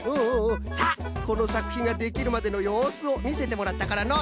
さあこのさくひんができるまでのようすをみせてもらったからの。